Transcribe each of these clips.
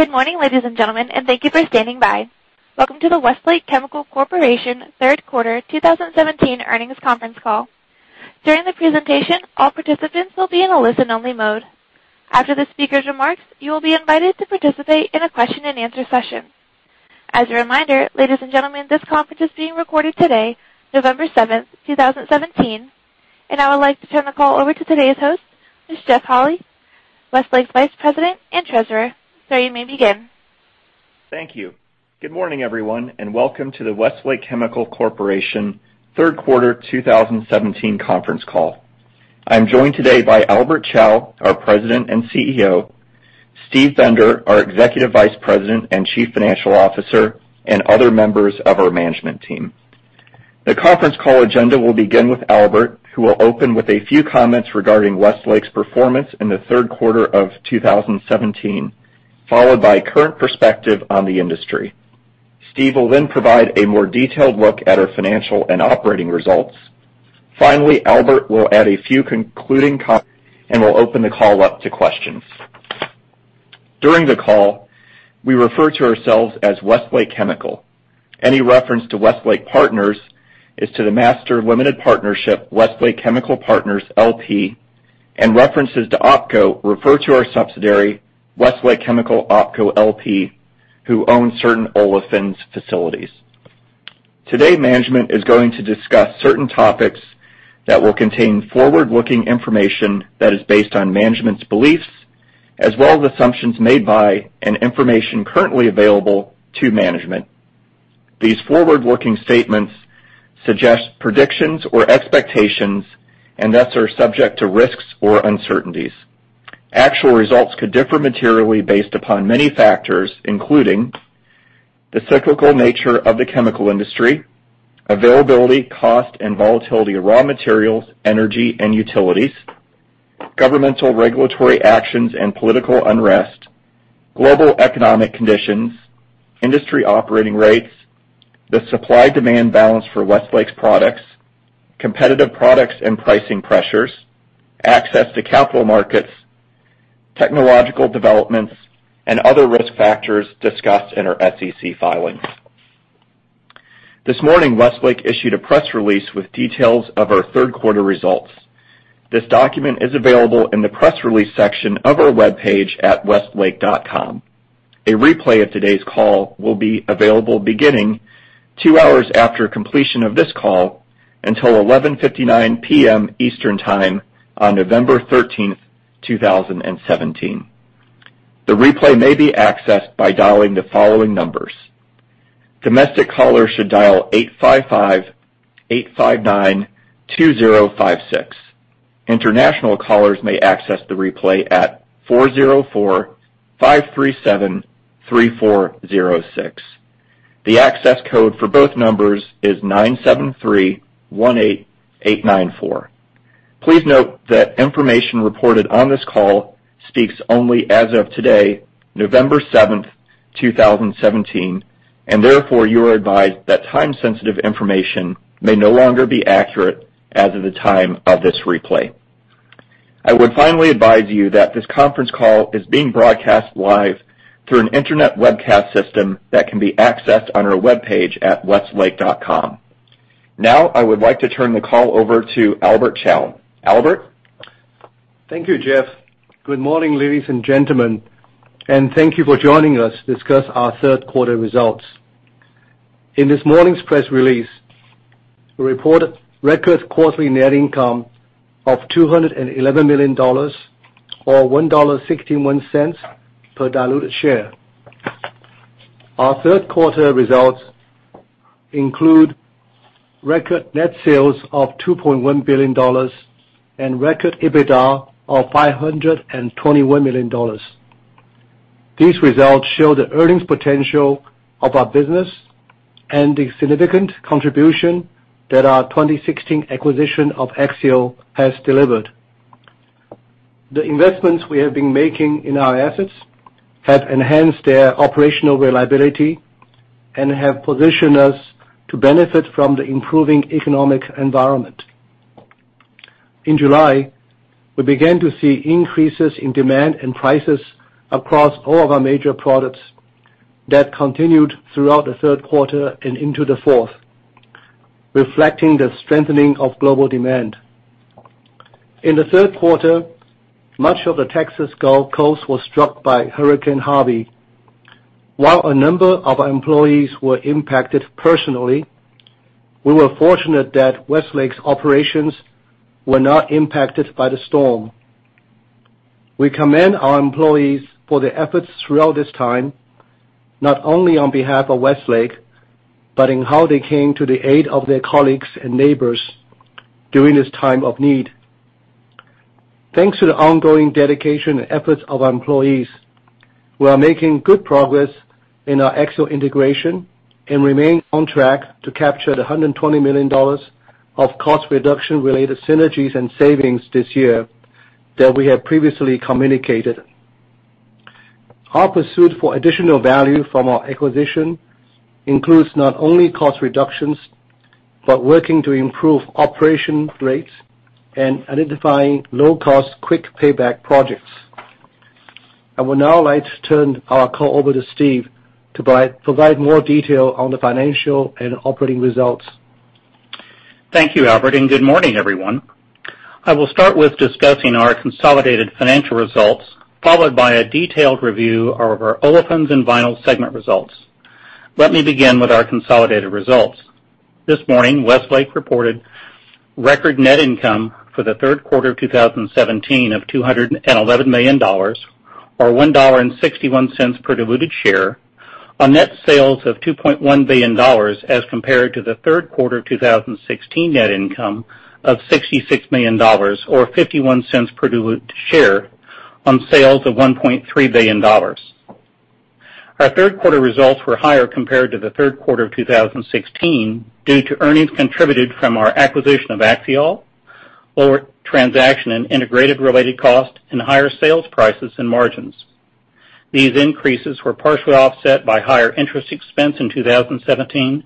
Good morning, ladies and gentlemen, thank you for standing by. Welcome to the Westlake Chemical Corporation third quarter 2017 earnings conference call. During the presentation, all participants will be in a listen-only mode. After the speaker's remarks, you will be invited to participate in a question and answer session. As a reminder, ladies and gentlemen, this conference is being recorded today, November 7th, 2017, I would like to turn the call over to today's host, Mr. Jeff Holy, Westlake's Vice President and Treasurer. Sir, you may begin. Thank you. Good morning, everyone, welcome to the Westlake Chemical Corporation third quarter 2017 conference call. I'm joined today by Albert Chao, our President and CEO, Steve Bender, our Executive Vice President and Chief Financial Officer, and other members of our management team. The conference call agenda will begin with Albert, who will open with a few comments regarding Westlake's performance in the third quarter of 2017, followed by current perspective on the industry. Steve will provide a more detailed look at our financial and operating results. Finally, Albert will add a few concluding comments and will open the call up to questions. During the call, we refer to ourselves as Westlake Chemical. Any reference to Westlake Partners is to the master limited partnership, Westlake Chemical Partners, LP, and references to OpCo refer to our subsidiary, Westlake Chemical OpCo LP, who own certain Olefins facilities. Today, management is going to discuss certain topics that will contain forward-looking information that is based on management's beliefs, as well as assumptions made by and information currently available to management. These forward-looking statements suggest predictions or expectations, thus are subject to risks or uncertainties. Actual results could differ materially based upon many factors, including the cyclical nature of the chemical industry, availability, cost, and volatility of raw materials, energy, and utilities, governmental regulatory actions and political unrest, global economic conditions, industry operating rates, the supply-demand balance for Westlake's products, competitive products and pricing pressures, access to capital markets, technological developments, and other risk factors discussed in our SEC filings. This morning, Westlake issued a press release with details of our third quarter results. This document is available in the press release section of our webpage at westlake.com. A replay of today's call will be available beginning two hours after completion of this call until 11:59 P.M. Eastern Time on November 13th, 2017. The replay may be accessed by dialing the following numbers. Domestic callers should dial 855-859-2056. International callers may access the replay at 404-537-3406. The access code for both numbers is 97318894. Please note that information reported on this call speaks only as of today, November 7th, 2017, therefore you are advised that time-sensitive information may no longer be accurate as of the time of this replay. I would finally advise you that this conference call is being broadcast live through an internet webcast system that can be accessed on our webpage at westlake.com. I would like to turn the call over to Albert Chao. Albert? Thank you, Jeff. Good morning, ladies and gentlemen, and thank you for joining us to discuss our third quarter results. In this morning's press release, we reported record quarterly net income of $211 million, or $1.61 per diluted share. Our third quarter results include record net sales of $2.1 billion and record EBITDA of $521 million. These results show the earnings potential of our business and the significant contribution that our 2016 acquisition of Axiall has delivered. The investments we have been making in our assets have enhanced their operational reliability and have positioned us to benefit from the improving economic environment. In July, we began to see increases in demand and prices across all of our major products that continued throughout the third quarter and into the fourth, reflecting the strengthening of global demand. In the third quarter, much of the Texas Gulf Coast was struck by Hurricane Harvey. While a number of our employees were impacted personally, we were fortunate that Westlake's operations were not impacted by the storm. We commend our employees for their efforts throughout this time, not only on behalf of Westlake, but in how they came to the aid of their colleagues and neighbors during this time of need. Thanks to the ongoing dedication and efforts of our employees, we are making good progress in our Axiall integration and remain on track to capture the $120 million of cost reduction related synergies and savings this year that we have previously communicated. Our pursuit for additional value from our acquisition includes not only cost reductions, working to improve operation rates and identifying low cost, quick payback projects. I would now like to turn our call over to Steve to provide more detail on the financial and operating results. Thank you, Albert, and good morning, everyone. I will start with discussing our consolidated financial results, followed by a detailed review of our Olefins and Vinyls segment results. Let me begin with our consolidated results. This morning, Westlake reported record net income for the third quarter 2017 of $211 million, or $1.61 per diluted share on net sales of $2.1 billion, as compared to the third quarter 2016 net income of $66 million, or $0.51 per diluted share on sales of $1.3 billion. Our third quarter results were higher compared to the third quarter of 2016 due to earnings contributed from our acquisition of Axiall, lower transaction and integration related cost and higher sales prices and margins. These increases were partially offset by higher interest expense in 2017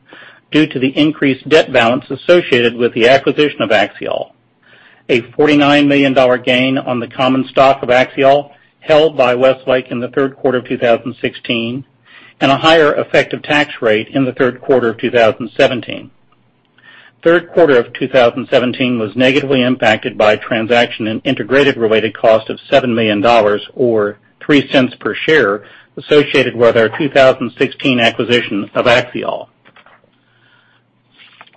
due to the increased debt balance associated with the acquisition of Axiall. A $49 million gain on the common stock of Axiall held by Westlake in the third quarter of 2016, and a higher effective tax rate in the third quarter of 2017. Third quarter of 2017 was negatively impacted by transaction and integration related cost of $7 million, or $0.03 per share, associated with our 2016 acquisition of Axiall.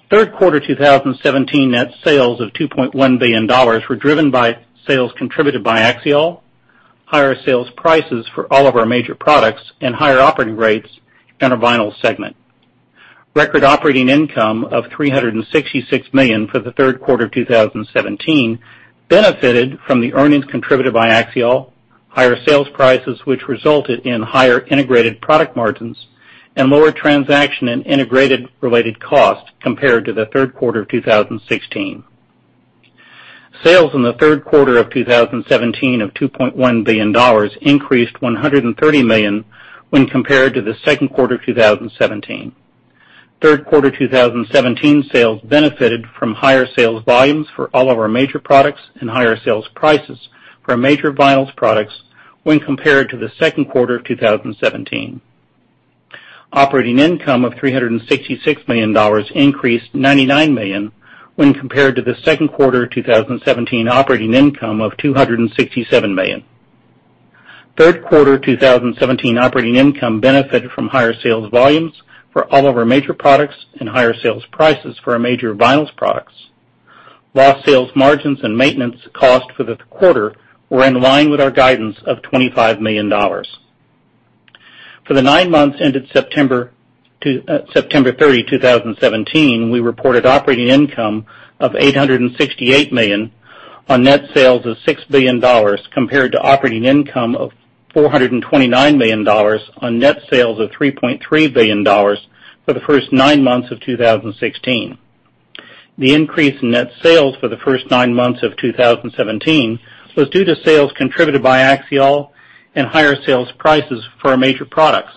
Third quarter 2017 net sales of $2.1 billion were driven by sales contributed by Axiall, higher sales prices for all of our major products, and higher operating rates in our Vinyls segment. Record operating income of $366 million for the third quarter of 2017 benefited from the earnings contributed by Axiall, higher sales prices, which resulted in higher integrated product margins and lower transaction and integration related cost compared to the third quarter of 2016. Sales in the third quarter of 2017 of $2.1 billion increased $130 million when compared to the second quarter 2017. Third quarter 2017 sales benefited from higher sales volumes for all of our major products and higher sales prices for our major Vinyls products when compared to the second quarter of 2017. Operating income of $366 million increased $99 million when compared to the second quarter 2017 operating income of $267 million. Third quarter 2017 operating income benefited from higher sales volumes for all of our major products and higher sales prices for our major Vinyls products. Lost sales margins and maintenance costs for the quarter were in line with our guidance of $25 million. For the nine months ended September 30, 2017, we reported operating income of $868 million on net sales of $6 billion compared to operating income of $429 million on net sales of $3.3 billion for the first nine months of 2016. The increase in net sales for the first nine months of 2017 was due to sales contributed by Axiall and higher sales prices for our major products.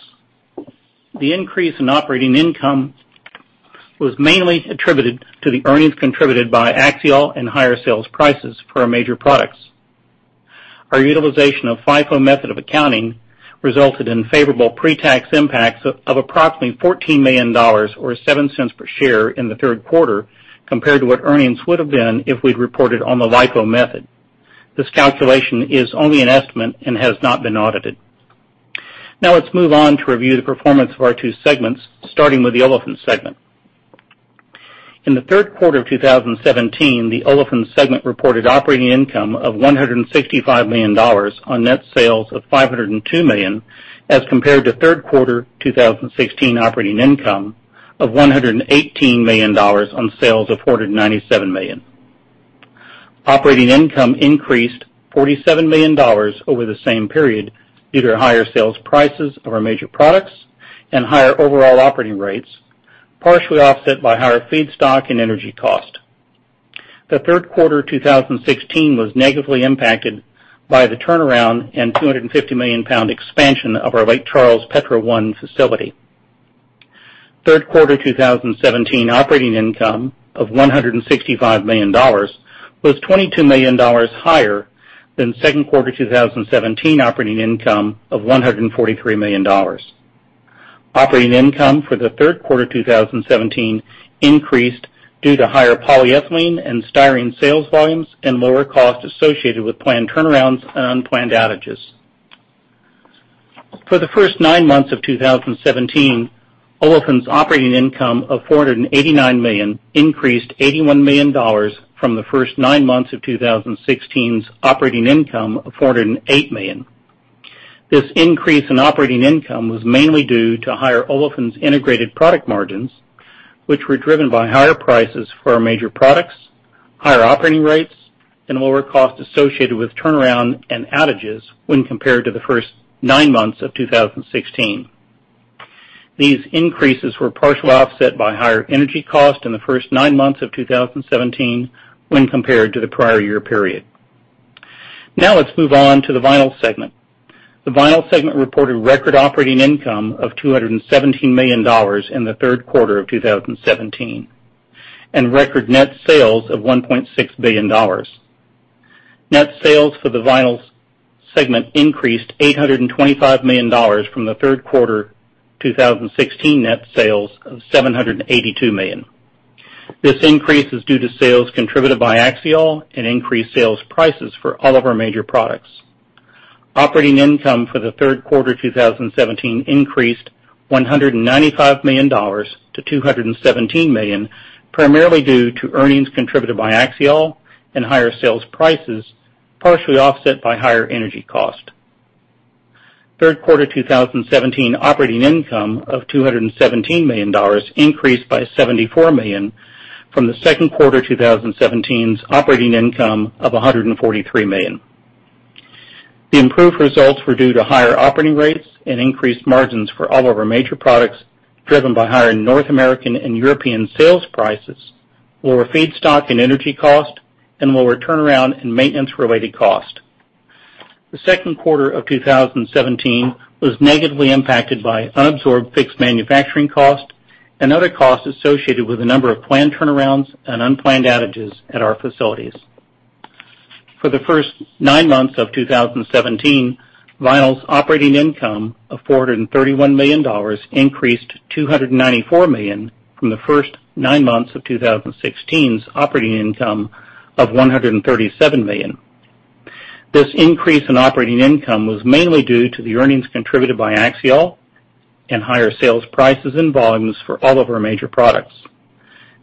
The increase in operating income was mainly attributed to the earnings contributed by Axiall and higher sales prices for our major products. Our utilization of FIFO method of accounting resulted in favorable pre-tax impacts of approximately $14 million, or $0.07 per share in the third quarter compared to what earnings would've been if we'd reported on the LIFO method. This calculation is only an estimate and has not been audited. Let's move on to review the performance of our two segments, starting with the Olefins segment. In the third quarter of 2017, the Olefins segment reported operating income of $165 million on net sales of $502 million, as compared to third quarter 2016 operating income of $118 million on sales of $497 million. Operating income increased $47 million over the same period due to higher sales prices of our major products and higher overall operating rates, partially offset by higher feedstock and energy cost. The third quarter 2016 was negatively impacted by the turnaround and 250 million pound expansion of our Lake Charles Petro 1 facility. Third quarter 2017 operating income of $165 million was $22 million higher than second quarter 2017 operating income of $143 million. Operating income for the third quarter 2017 increased due to higher polyethylene and styrene sales volumes and lower costs associated with planned turnarounds and unplanned outages. For the first nine months of 2017, Olefins operating income of $489 million increased $81 million from the first nine months of 2016's operating income of $408 million. This increase in operating income was mainly due to higher Olefins integrated product margins, which were driven by higher prices for our major products, higher operating rates, and lower costs associated with turnaround and outages when compared to the first nine months of 2016. These increases were partially offset by higher energy cost in the first nine months of 2017 when compared to the prior year period. Let's move on to the Vinyls segment. The Vinyls segment reported record operating income of $217 million in the third quarter of 2017, and record net sales of $1.6 billion. Net sales for the Vinyls segment increased $825 million from the third quarter 2016 net sales of $782 million. This increase is due to sales contributed by Axiall and increased sales prices for all of our major products. Operating income for the third quarter 2017 increased $195 million to $217 million, primarily due to earnings contributed by Axiall and higher sales prices, partially offset by higher energy cost. Third quarter 2017 operating income of $217 million increased by $74 million from the second quarter 2017's operating income of $143 million. The improved results were due to higher operating rates and increased margins for all of our major products, driven by higher North American and European sales prices, lower feedstock and energy cost, and lower turnaround and maintenance related cost. The second quarter of 2017 was negatively impacted by unabsorbed fixed manufacturing cost and other costs associated with a number of planned turnarounds and unplanned outages at our facilities. For the first nine months of 2017, Vinyls operating income of $431 million increased $294 million from the first nine months of 2016's operating income of $137 million. This increase in operating income was mainly due to the earnings contributed by Axiall and higher sales prices and volumes for all of our major products.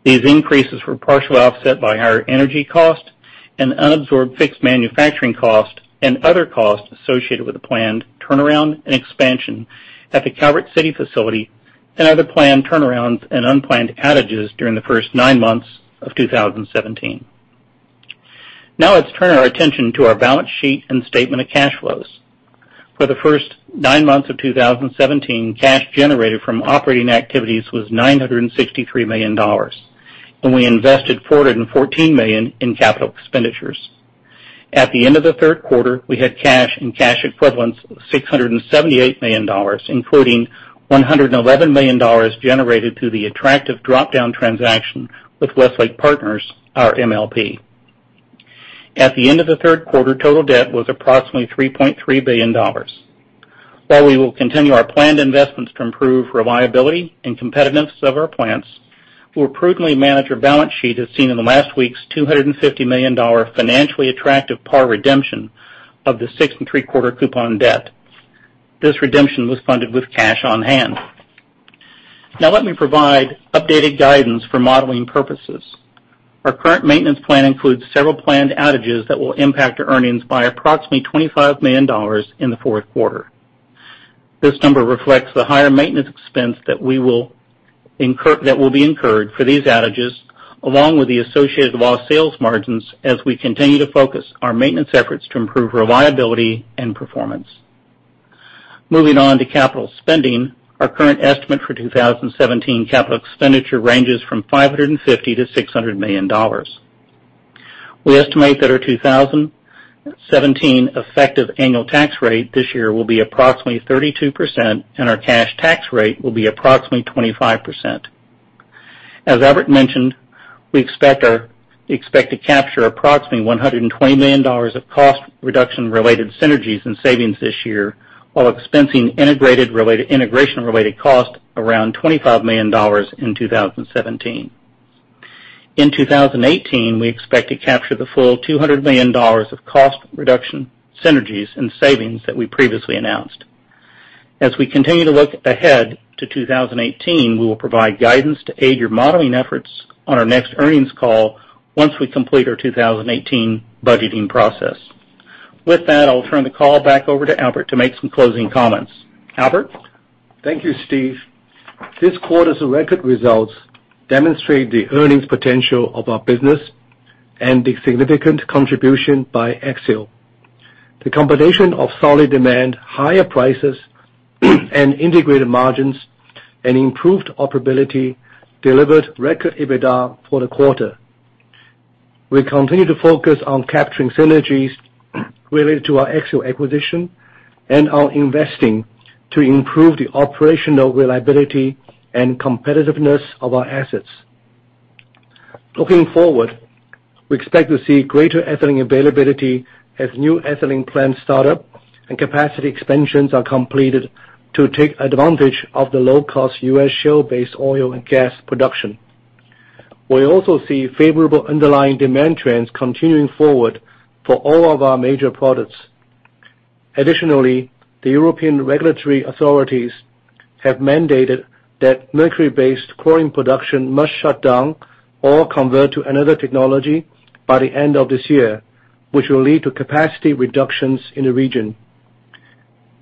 These increases were partially offset by higher energy cost and unabsorbed fixed manufacturing cost and other costs associated with the planned turnaround and expansion at the Calvert City facility and other planned turnarounds and unplanned outages during the first nine months of 2017. Let's turn our attention to our balance sheet and statement of cash flows. For the first nine months of 2017, cash generated from operating activities was $963 million, and we invested $414 million in capital expenditures. At the end of the third quarter, we had cash and cash equivalents of $678 million, including $111 million generated through the attractive drop-down transaction with Westlake Partners, our MLP. At the end of the third quarter, total debt was approximately $3.3 billion. While we will continue our planned investments to improve reliability and competitiveness of our plants, we'll prudently manage our balance sheet as seen in the last week's $250 million financially attractive par redemption of the six and three-quarter coupon debt. This redemption was funded with cash on hand. Let me provide updated guidance for modeling purposes. Our current maintenance plan includes several planned outages that will impact our earnings by approximately $25 million in the fourth quarter. This number reflects the higher maintenance expense that will be incurred for these outages, along with the associated lost sales margins, as we continue to focus our maintenance efforts to improve reliability and performance. Moving on to capital spending. Our current estimate for 2017 capital expenditure ranges from $550 million-$600 million. We estimate that our 2017 effective annual tax rate this year will be approximately 32%, and our cash tax rate will be approximately 25%. As Albert mentioned, we expect to capture approximately $120 million of cost reduction related synergies and savings this year, while expensing integration related cost around $25 million in 2017. In 2018, we expect to capture the full $200 million of cost reduction synergies and savings that we previously announced. As we continue to look ahead to 2018, we will provide guidance to aid your modeling efforts on our next earnings call once we complete our 2018 budgeting process. With that, I'll turn the call back over to Albert to make some closing comments. Albert? Thank you, Steve. This quarter's record results demonstrate the earnings potential of our business and the significant contribution by Axiall. The combination of solid demand, higher prices, and integrated margins, and improved operability delivered record EBITDA for the quarter. We continue to focus on capturing synergies related to our Axiall acquisition and on investing to improve the operational reliability and competitiveness of our assets. Looking forward, we expect to see greater ethylene availability as new ethylene plants start up and capacity expansions are completed to take advantage of the low-cost U.S. shale-based oil and gas production. We also see favorable underlying demand trends continuing forward for all of our major products. Additionally, the European regulatory authorities have mandated that mercury-based chlorine production must shut down or convert to another technology by the end of this year, which will lead to capacity reductions in the region.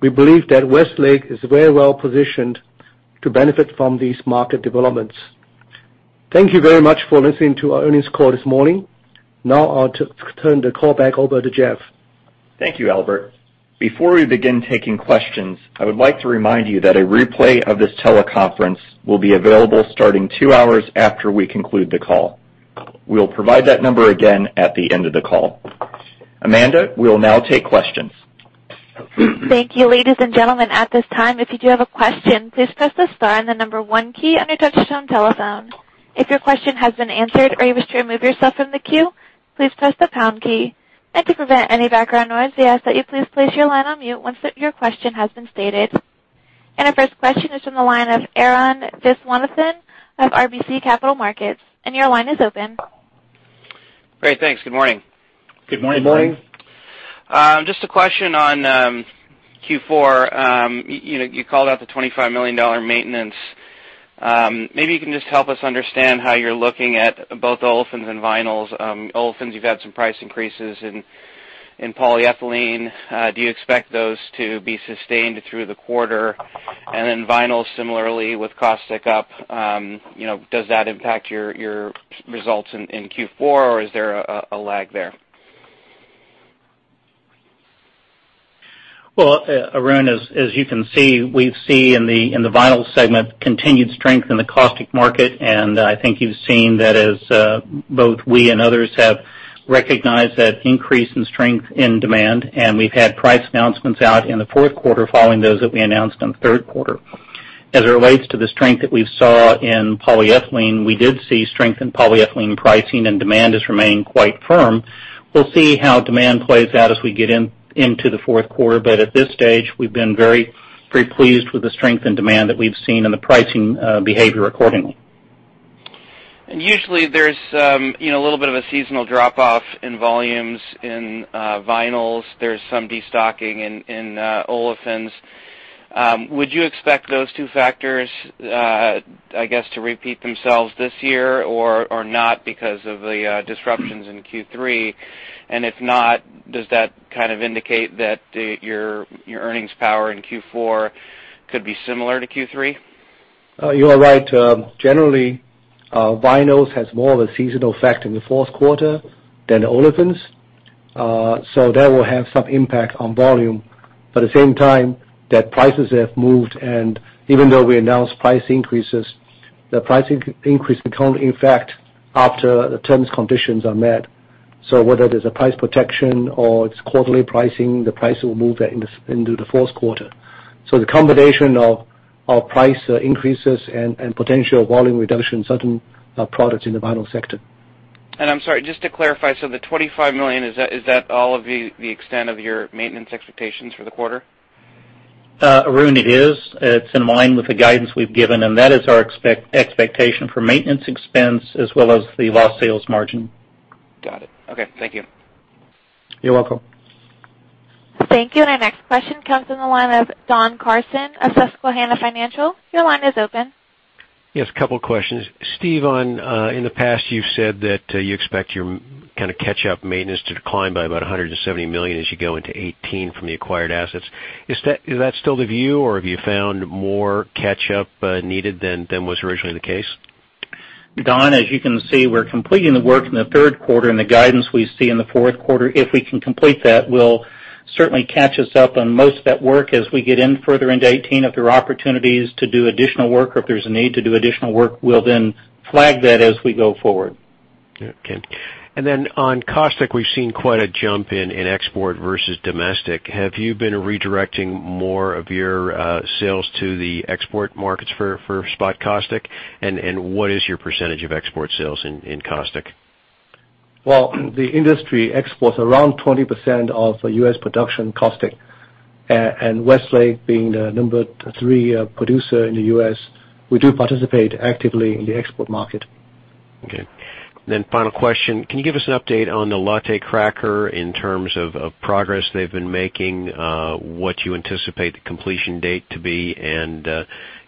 We believe that Westlake is very well positioned to benefit from these market developments. Thank you very much for listening to our earnings call this morning. I'll turn the call back over to Jeff. Thank you, Albert. Before we begin taking questions, I would like to remind you that a replay of this teleconference will be available starting 2 hours after we conclude the call. We will provide that number again at the end of the call. Amanda, we will now take questions. Thank you, ladies and gentlemen. At this time, if you do have a question, please press the star and the number 1 key on your touchtone telephone. If your question has been answered or you wish to remove yourself from the queue, please press the pound key. To prevent any background noise, we ask that you please place your line on mute once your question has been stated. Our first question is from the line of Arun Viswanathan of RBC Capital Markets. Your line is open. Great. Thanks. Good morning. Good morning. Good morning. Just a question on Q4. You called out the $25 million maintenance. Maybe you can just help us understand how you're looking at both Olefins and Vinyls. Olefins, you've had some price increases in polyethylene. Do you expect those to be sustained through the quarter? Then Vinyls, similarly with caustic up, does that impact your results in Q4, or is there a lag there? Well, Arun, as you can see, we see in the Vinyls segment continued strength in the caustic market, and I think you've seen that as both we and others have recognized that increase in strength in demand, and we've had price announcements out in the fourth quarter following those that we announced on the third quarter. As it relates to the strength that we saw in polyethylene, we did see strength in polyethylene pricing and demand has remained quite firm. We'll see how demand plays out as we get into the fourth quarter, but at this stage, we've been very pleased with the strength and demand that we've seen and the pricing behavior accordingly. Usually there's a little bit of a seasonal drop off in volumes in Vinyls. There's some destocking in Olefins. Would you expect those two factors, I guess, to repeat themselves this year or not because of the disruptions in Q3? If not, does that kind of indicate that your earnings power in Q4 could be similar to Q3? You are right. Generally, Vinyls has more of a seasonal effect in the fourth quarter than Olefins. That will have some impact on volume. At the same time, the prices have moved, and even though we announced price increases, the price increase can only affect after the terms conditions are met. Whether there's a price protection or it's quarterly pricing, the price will move into the fourth quarter. The combination of price increases and potential volume reduction in certain products in the Vinyl sector. I'm sorry, just to clarify, the $25 million, is that all of the extent of your maintenance expectations for the quarter? Arun, it is. It's in line with the guidance we've given. That is our expectation for maintenance expense as well as the raw sales margin. Got it. Okay. Thank you. You're welcome. Thank you. Our next question comes from the line of Don Carson of Susquehanna Financial. Your line is open. Yes, a couple of questions. Steve, in the past, you've said that you expect your catch-up maintenance to decline by about $170 million as you go into 2018 from the acquired assets. Is that still the view, or have you found more catch-up needed than was originally the case? Don, as you can see, we're completing the work in the third quarter, and the guidance we see in the fourth quarter, if we can complete that, will certainly catch us up on most of that work as we get in further into 2018. If there are opportunities to do additional work or if there's a need to do additional work, we'll then flag that as we go forward. Okay. Then on caustic, we've seen quite a jump in export versus domestic. Have you been redirecting more of your sales to the export markets for spot caustic? What is your % of export sales in caustic? Well, the industry exports around 20% of U.S. production caustic. Westlake being the number 3 producer in the U.S., we do participate actively in the export market. Okay. Final question. Can you give us an update on the Lotte cracker in terms of progress they've been making, what you anticipate the completion date to be, and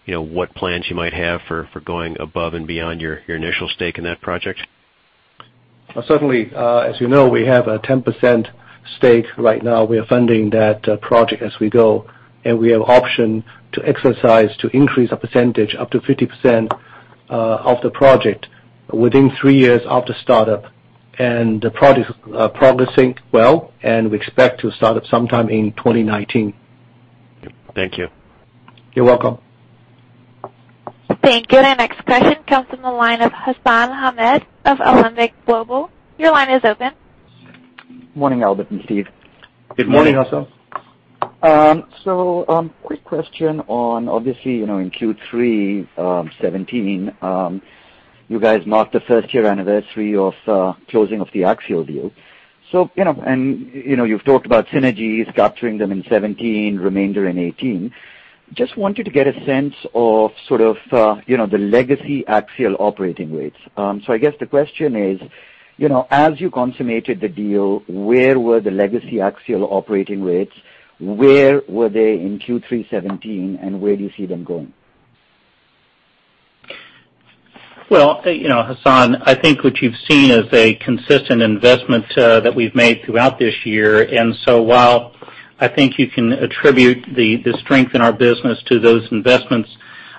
what plans you might have for going above and beyond your initial stake in that project? Certainly. As you know, we have a 10% stake right now. We are funding that project as we go, we have option to exercise to increase the % up to 50% of the project within three years after startup. The project is progressing well, we expect to start up sometime in 2019. Thank you. You're welcome. Thank you. Next question comes from the line of Hassan Ahmed of Alembic Global Advisors. Your line is open. Morning, Albert and Steve. Good morning, Hassan. Good morning. Quick question on, obviously, in Q3 2017, you guys marked the first year anniversary of closing of the Axiall deal. You've talked about synergies, capturing them in 2017, remainder in 2018. Just wanted to get a sense of sort of the legacy Axiall operating rates. I guess the question is, as you consummated the deal, where were the legacy Axiall operating rates? Where were they in Q3 2017, and where do you see them going? Well, Hassan, I think what you've seen is a consistent investment that we've made throughout this year. While I think you can attribute the strength in our business to those investments.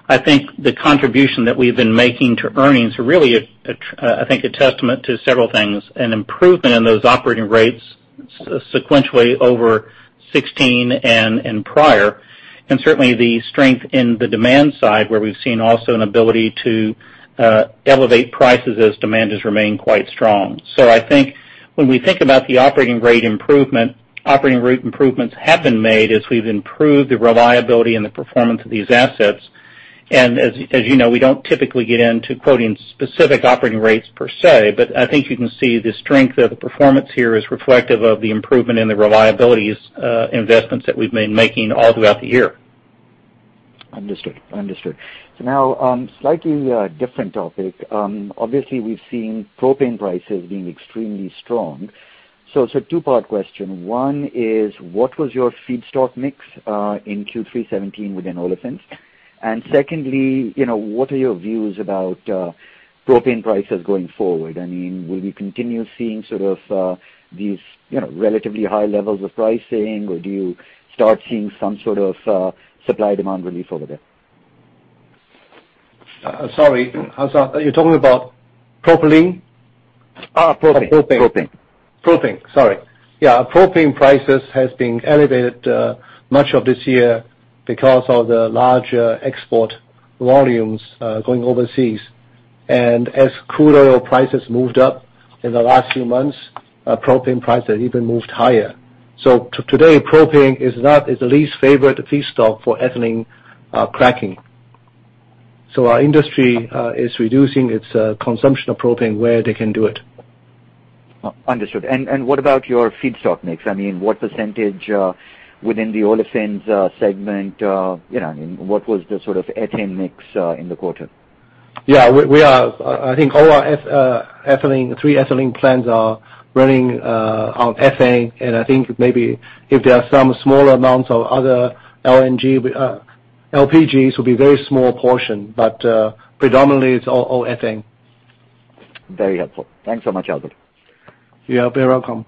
I think the contribution that we've been making to earnings are really a testament to several things. An improvement in those operating rates sequentially over 2016 and prior, and certainly the strength in the demand side, where we've seen also an ability to elevate prices as demand has remained quite strong. I think when we think about the operating rate improvement, operating rate improvements have been made as we've improved the reliability and the performance of these assets. As you know, we don't typically get into quoting specific operating rates per se, but I think you can see the strength of the performance here is reflective of the improvement in the reliabilities investments that we've been making all throughout the year. Understood. Now, slightly different topic. Obviously, we've seen propane prices being extremely strong. It's a two-part question. One is, what was your feedstock mix in Q3 2017 within Olefins? Secondly, what are your views about propane prices going forward? Will we continue seeing sort of these relatively high levels of pricing, or do you start seeing some sort of supply-demand relief over there? Sorry, Hassan, are you talking about propylene? Propane. Propane. Sorry. Propane prices has been elevated much of this year because of the large export volumes going overseas. As crude oil prices moved up in the last few months, propane prices even moved higher. Today, propane is the least favorite feedstock for ethylene cracking. Our industry is reducing its consumption of propane where they can do it. Understood. What about your feedstock mix? What percentage within the Olefins segment? What was the sort of ethane mix in the quarter? Yeah. I think all our three ethylene plants are running on ethane. I think maybe if there are some small amounts of other LPGs, will be very small portion, but predominantly it's all ethane. Very helpful. Thanks so much, Albert. You are very welcome.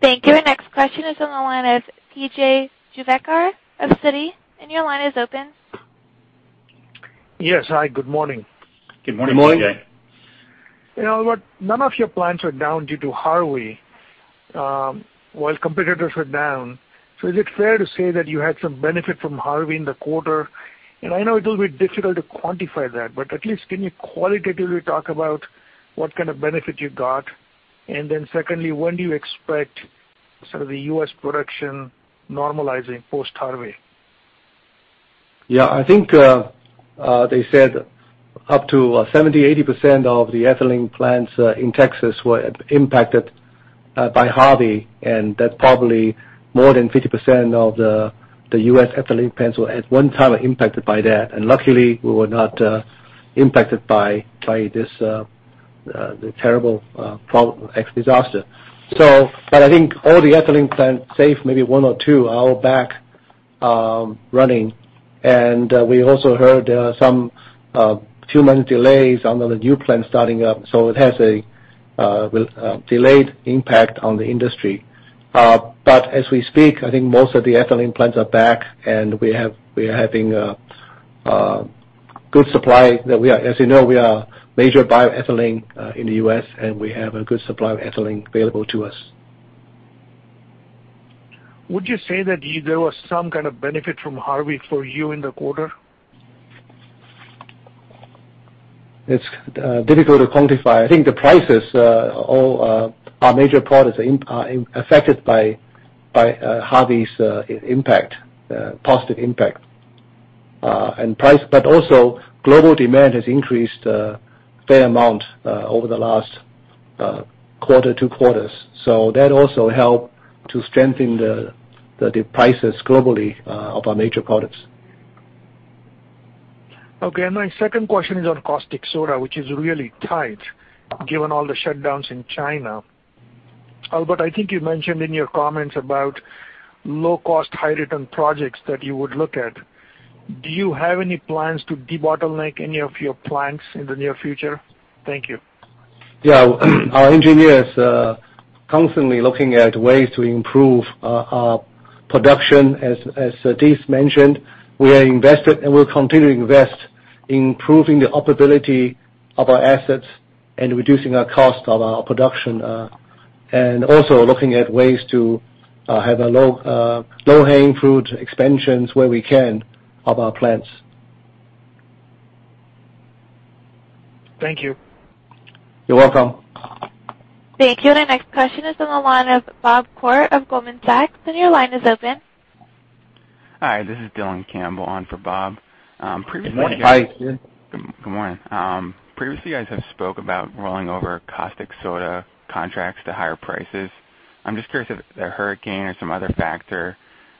Thank you. The next question is on the line is P.J. Juvekar of Citi. Your line is open. Yes. Hi, good morning. Good morning. Good morning. Albert, none of your plants were down due to Harvey, while competitors were down. Is it fair to say that you had some benefit from Harvey in the quarter? I know it will be difficult to quantify that, but at least can you qualitatively talk about what kind of benefit you got? Secondly, when do you expect sort of the U.S. production normalizing post-Harvey? I think they said up to 70%-80% of the ethylene plants in Texas were impacted by Harvey, and that probably more than 50% of the U.S. ethylene plants were at one time impacted by that. Luckily, we were not impacted by this terrible disaster. I think all the ethylene plants, save maybe one or two, are back running. We also heard some two months delays under the new plant starting up, it has a delayed impact on the industry. As we speak, I think most of the ethylene plants are back, and we are having a good supply. As you know, we are major buyer of ethylene in the U.S., and we have a good supply of ethylene available to us. Would you say that there was some kind of benefit from Harvey for you in the quarter? It's difficult to quantify. I think the prices, all our major products are affected by Harvey's impact, positive impact. Price, but also global demand has increased a fair amount over the last quarter, two quarters. That also helped to strengthen the prices globally of our major products. My second question is on caustic soda, which is really tight given all the shutdowns in China. Albert, I think you mentioned in your comments about low cost, high return projects that you would look at. Do you have any plans to debottleneck any of your plants in the near future? Thank you. Yeah. Our engineers are constantly looking at ways to improve our production. As Steve mentioned, we are invested, and we'll continue to invest in improving the operability of our assets and reducing our cost of our production. Also looking at ways to have a low-hanging fruit expansions where we can of our plants. Thank you. You're welcome. Thank you. The next question is on the line of Bob Koort of Goldman Sachs, your line is open. Hi, this is Dylan Campbell on for Bob. Good morning. Good morning. Previously, you guys have spoke about rolling over caustic soda contracts to higher prices. I'm just curious if the hurricane or some other factor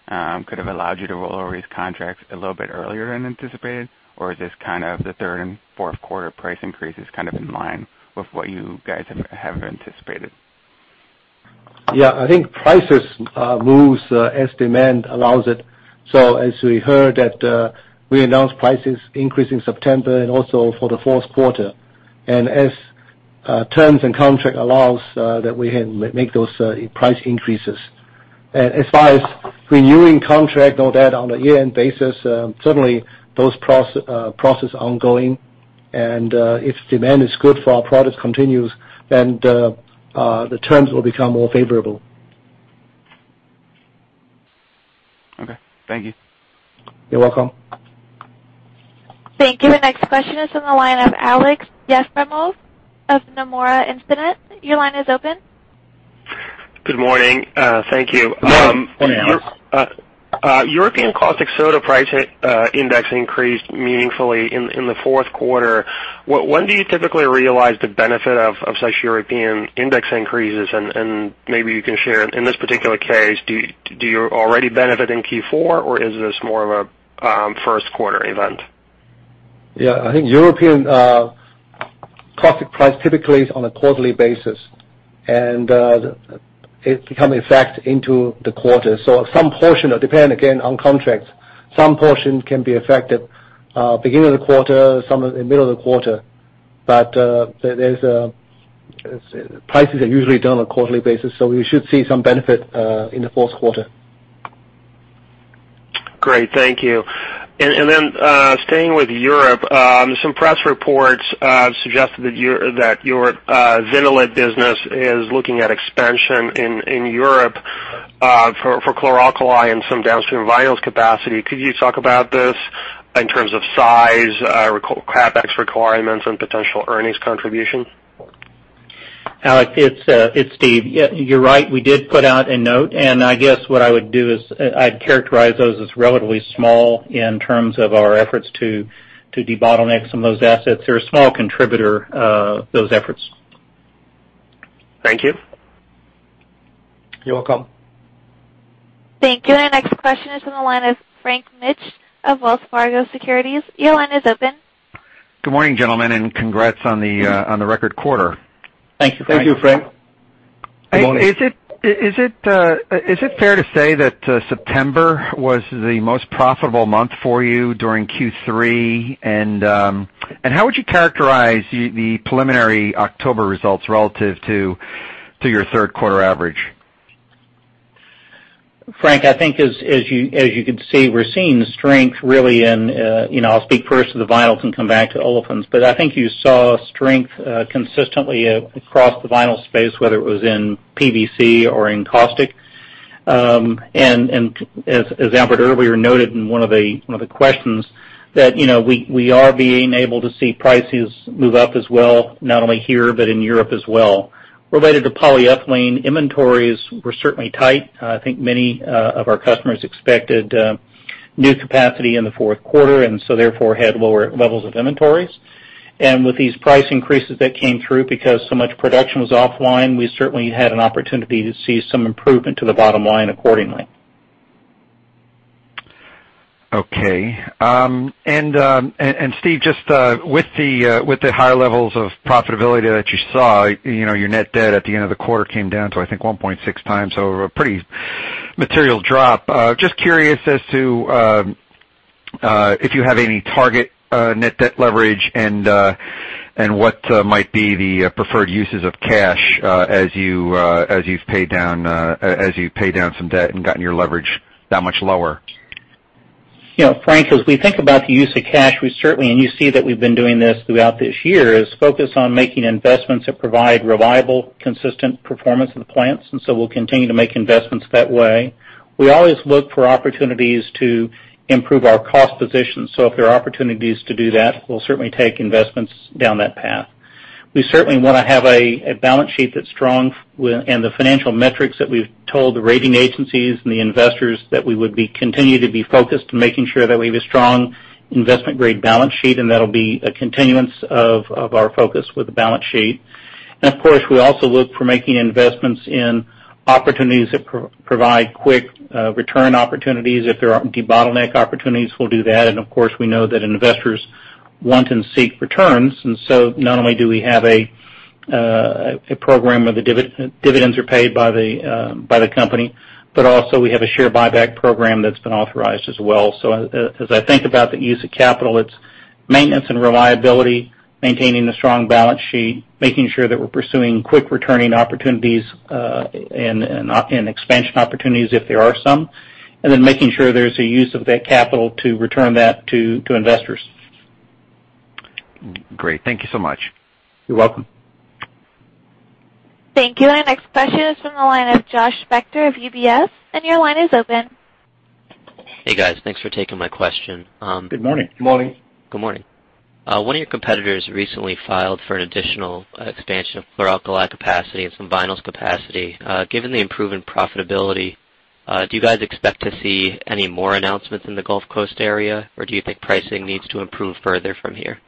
could have allowed you to roll over these contracts a little bit earlier than anticipated, is this kind of the third and fourth quarter price increases kind of in line with what you guys have anticipated? Yeah, I think prices moves as demand allows it. As we heard that we announced prices increase in September and also for the fourth quarter. As terms and contract allows that we can make those price increases. As far as renewing contract, all that on a year-end basis, certainly those processes are ongoing. If demand is good for our product continues, the terms will become more favorable. Okay. Thank you. You're welcome. Thank you. The next question is on the line of Aleksey Yefremov of Nomura Instinet. Your line is open. Good morning. Thank you. Morning, Alex. European caustic soda price index increased meaningfully in the fourth quarter. When do you typically realize the benefit of such European index increases? Maybe you can share, in this particular case, do you already benefit in Q4 or is this more of a first quarter event? Yeah, I think European caustic price typically is on a quarterly basis, and it become effect into the quarter. Some portion, depending, again, on contracts, some portion can be effective beginning of the quarter, some in middle of the quarter. Prices are usually done on a quarterly basis, we should see some benefit in the fourth quarter. Great. Thank you. Then, staying with Europe, some press reports suggested that your Vinyls business is looking at expansion in Europe for chlor-alkali and some downstream Vinyls capacity. Could you talk about this in terms of size, CapEx requirements, and potential earnings contribution? Alex, it's Steve. You're right, we did put out a note. I guess what I would do is I'd characterize those as relatively small in terms of our efforts to debottleneck some of those assets. They're a small contributor, those efforts. Thank you. You're welcome. Thank you. Our next question is on the line of Frank Mitsch of Wells Fargo Securities. Your line is open. Good morning, gentlemen, Congrats on the record quarter. Thank you, Frank. Thank you, Frank. Is it fair to say that September was the most profitable month for you during Q3? How would you characterize the preliminary October results relative to your third quarter average? Frank, I think as you can see, we're seeing strength really. I'll speak first to the Vinyls and come back to Olefins. I think you saw strength consistently across the vinyl space, whether it was in PVC or in caustic. As Albert earlier noted in one of the questions that we are being able to see prices move up as well, not only here, but in Europe as well. Related to polyethylene, inventories were certainly tight. I think many of our customers expected new capacity in the fourth quarter, therefore had lower levels of inventories. With these price increases that came through because so much production was offline, we certainly had an opportunity to see some improvement to the bottom line accordingly. Okay. Steve, just with the high levels of profitability that you saw, your net debt at the end of the quarter came down to, I think, 1.6 times, so a pretty material drop. I'm just curious as to if you have any target net debt leverage and what might be the preferred uses of cash as you pay down some debt and gotten your leverage that much lower. Frank, as we think about the use of cash, we certainly, and you see that we've been doing this throughout this year, is focus on making investments that provide reliable, consistent performance of the plants. We'll continue to make investments that way. We always look for opportunities to improve our cost position. If there are opportunities to do that, we'll certainly take investments down that path. We certainly want to have a balance sheet that's strong. The financial metrics that we've told the rating agencies and the investors that we would continue to be focused on making sure that we have a strong investment grade balance sheet, and that'll be a continuance of our focus with the balance sheet. Of course, we also look for making investments in opportunities that provide quick return opportunities. If there are debottleneck opportunities, we'll do that. Of course, we know that investors want and seek returns, not only do we have a program where the dividends are paid by the company, but also we have a share buyback program that's been authorized as well. As I think about the use of capital, it's maintenance and reliability, maintaining a strong balance sheet, making sure that we're pursuing quick returning opportunities, and expansion opportunities if there are some, and then making sure there's a use of that capital to return that to investors. Great. Thank you so much. You're welcome. Thank you. Our next question is from the line of Joshua Spector of UBS. Your line is open. Hey, guys. Thanks for taking my question. Good morning. Good morning. Good morning. One of your competitors recently filed for an additional expansion of chlor-alkali capacity and some vinyls capacity. Given the improved profitability, do you guys expect to see any more announcements in the Gulf Coast area, or do you think pricing needs to improve further from here?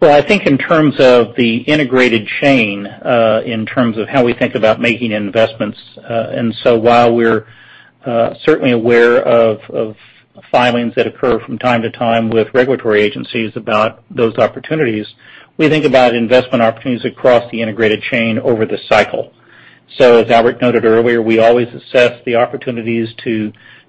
Well, I think in terms of the integrated chain, in terms of how we think about making investments. While we're certainly aware of filings that occur from time to time with regulatory agencies about those opportunities, we think about investment opportunities across the integrated chain over the cycle. As Albert noted earlier, we always assess the opportunities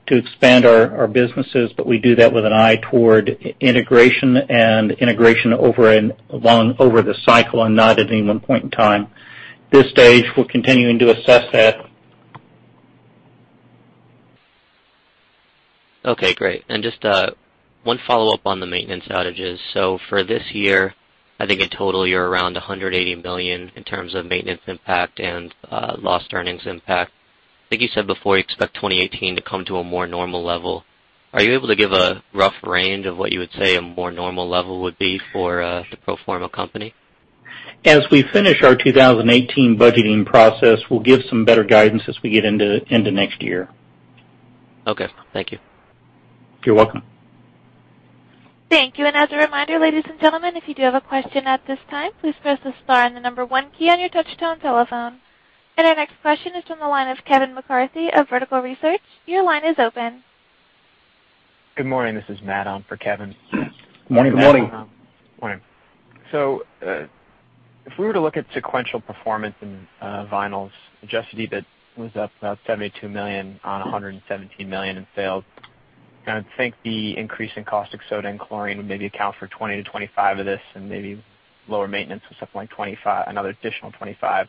to expand our businesses, but we do that with an eye toward integration and integration over the cycle and not at any one point in time. This stage, we're continuing to assess that. Okay, great. Just one follow-up on the maintenance outages. For this year, I think in total you're around $180 million in terms of maintenance impact and lost earnings impact. I think you said before you expect 2018 to come to a more normal level. Are you able to give a rough range of what you would say a more normal level would be for the pro forma company? As we finish our 2018 budgeting process, we'll give some better guidance as we get into next year. Okay, thank you. You're welcome. Thank you. As a reminder, ladies and gentlemen, if you do have a question at this time, please press the star and the number 1 key on your touchtone telephone. Our next question is from the line of Kevin McCarthy of Vertical Research. Your line is open. Good morning. This is Matt on for Kevin. Morning. Morning. If we were to look at sequential performance in Vinyls, adjusted EBITDA was up about $72 million on $117 million in sales. I would think the increase in caustic soda and chlorine would maybe account for $20 million-$25 million of this and maybe lower maintenance or something like another additional $25 million.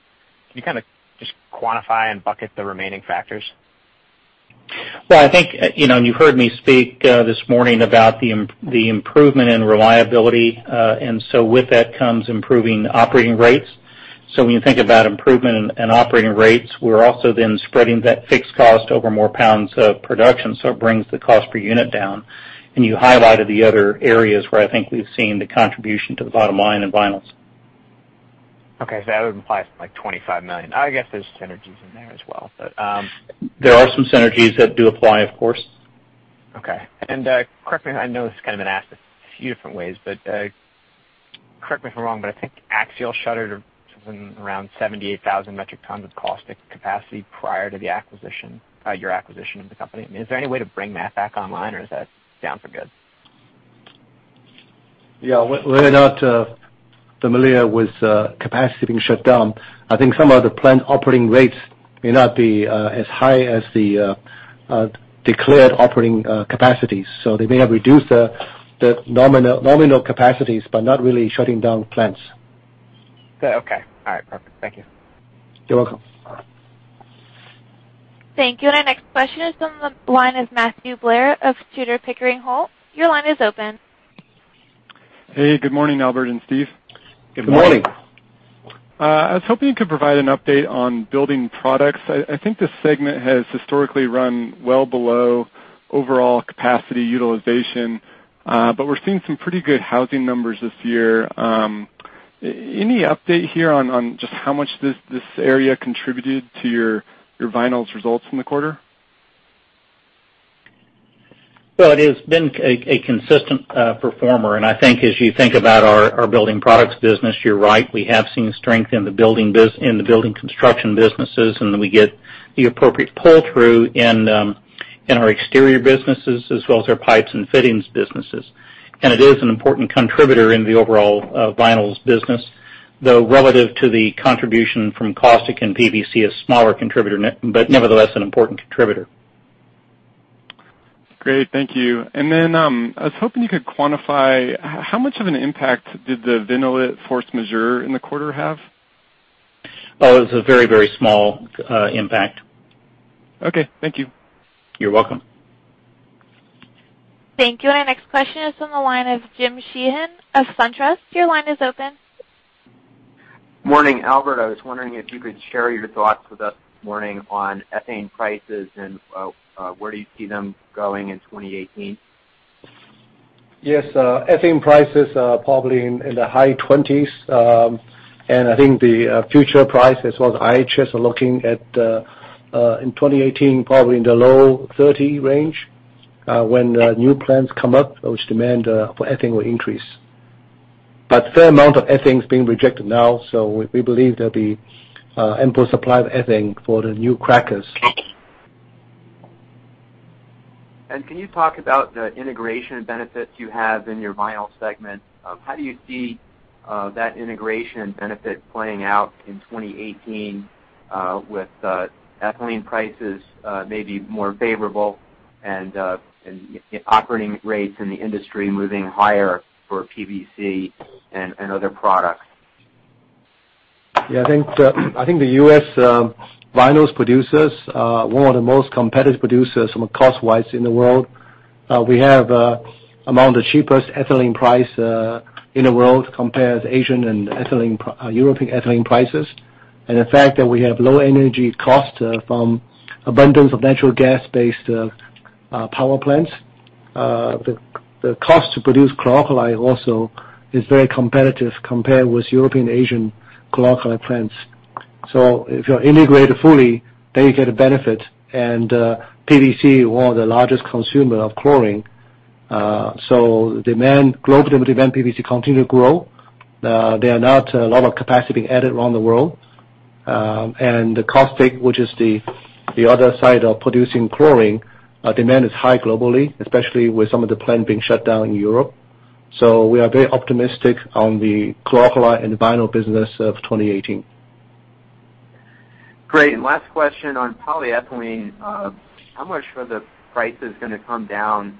Can you just quantify and bucket the remaining factors? I think you've heard me speak this morning about the improvement in reliability. With that comes improving operating rates. When you think about improvement in operating rates, we're also then spreading that fixed cost over more pounds of production. It brings the cost per unit down. You highlighted the other areas where I think we've seen the contribution to the bottom line in Vinyls. That would imply something like $25 million. I guess there's synergies in there as well. There are some synergies that do apply, of course. Correct me, I know this has kind of been asked a few different ways, but correct me if I'm wrong, but I think Axiall shuttered something around 78,000 metric tons of caustic capacity prior to your acquisition of the company. I mean, is there any way to bring that back online or is that down for good? Yeah. We're not familiar with capacity being shut down. I think some of the plant operating rates may not be as high as the declared operating capacities, so they may have reduced the nominal capacities but not really shutting down plants. Okay. All right. Perfect. Thank you. You're welcome. All right. Thank you. Our next question on the line is Matthew Blair of Tudor, Pickering, Holt. Your line is open. Hey, good morning, Albert and Steve. Good morning. Morning. I was hoping you could provide an update on building products. I think this segment has historically run well below overall capacity utilization. We're seeing some pretty good housing numbers this year. Any update here on just how much this area contributed to your Vinyls results in the quarter? Well, it has been a consistent performer. I think as you think about our building products business, you're right. We have seen strength in the building construction businesses, and we get the appropriate pull through in our exterior businesses as well as our pipes and fittings businesses. It is an important contributor in the overall Vinyls business, though relative to the contribution from caustic and PVC, a smaller contributor, but nevertheless an important contributor. Great. Thank you. Then, I was hoping you could quantify how much of an impact did the VCM force majeure in the quarter have? Oh, it was a very small impact. Okay, thank you. You're welcome. Thank you. Our next question is on the line of James Sheehan of SunTrust. Your line is open. Morning, Albert. I was wondering if you could share your thoughts with us this morning on ethane prices and where do you see them going in 2018? Yes. Ethane prices are probably in the high 20s. I think the future price as well as IHS are looking at in 2018, probably in the low 30 range when the new plants come up, which demand for ethane will increase. A fair amount of ethane is being rejected now, so we believe there'll be ample supply of ethane for the new crackers. Can you talk about the integration benefits you have in your Vinyls segment? How do you see that integration benefit playing out in 2018 with ethylene prices maybe more favorable and operating rates in the industry moving higher for PVC and other products? I think the U.S. Vinyls producers are one of the most competitive producers from a cost wise in the world. We have among the cheapest ethylene price in the world compared to Asian and European ethylene prices. The fact that we have low energy cost from abundance of natural gas-based power plants. The cost to produce chlor-alkali also is very competitive compared with European Asian chlor-alkali plants. If you're integrated fully, then you get a benefit. PVC are the largest consumer of chlorine. Global demand for PVC continue to grow. There are not a lot of capacity added around the world. The caustic, which is the other side of producing chlorine, demand is high globally, especially with some of the plant being shut down in Europe. We are very optimistic on the chlor-alkali and the Vinyls business of 2018. Great. Last question on polyethylene. How much further price is going to come down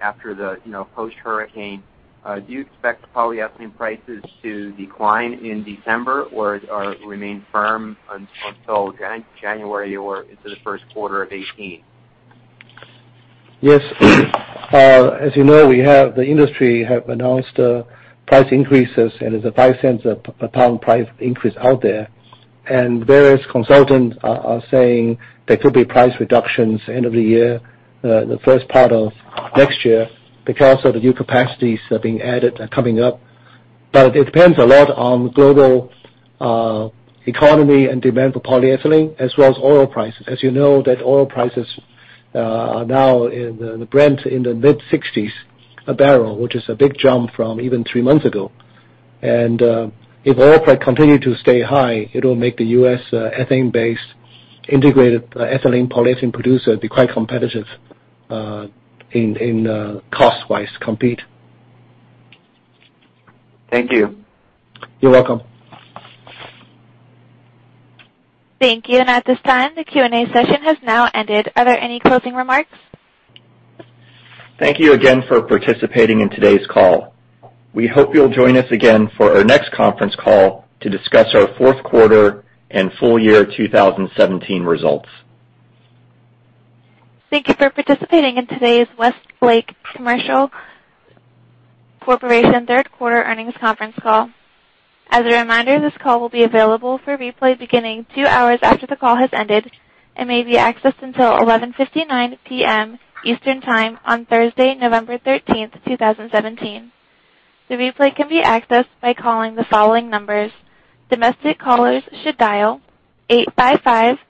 after the post hurricane? Do you expect polyethylene prices to decline in December or remain firm until January or into the first quarter of 2018? As you know, the industry have announced price increases, there's a $0.05 a pound price increase out there. Various consultants are saying there could be price reductions end of the year, the first part of next year, because of the new capacities that are being added are coming up. It depends a lot on global economy and demand for polyethylene as well as oil prices. As you know that oil prices are now in the Brent in the mid-$60s a barrel, which is a big jump from even three months ago. If oil price continue to stay high, it will make the U.S. ethane-based integrated ethylene polyethylene producer be quite competitive in cost-wise compete. Thank you. You're welcome. Thank you. At this time, the Q&A session has now ended. Are there any closing remarks? Thank you again for participating in today's call. We hope you'll join us again for our next conference call to discuss our fourth quarter and full year 2017 results. Thank you for participating in today's Westlake Chemical Corporation third quarter earnings conference call. As a reminder, this call will be available for replay beginning two hours after the call has ended and may be accessed until 11:59 P.M. Eastern on Thursday, November 13th, 2017. The replay can be accessed by calling the following numbers. Domestic callers should dial 855-859-2056.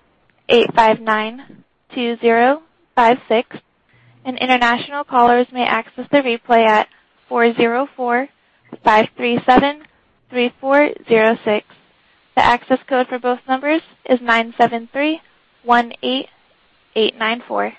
International callers may access the replay at 404-537-3406. The access code for both numbers is 97318894.